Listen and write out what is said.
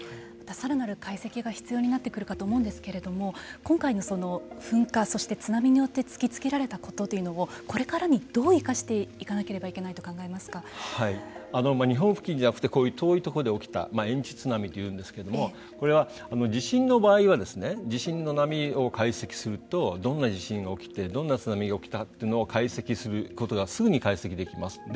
さらなる解析が必要になってくるかと思うんですけれども今回の、噴火そして津波によって突きつけられたことをこれからにどう生かしていかなければいけないと日本付近じゃなくてこういう遠いところで起きた遠地津波というんですけれどもこれは、地震の場合は地震の波を解析するとどんな地震が起きてどんな津波が来たというのが解析することがすぐに解析できます。